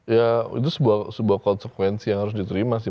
ya itu sebuah konsekuensi yang harus diterima sih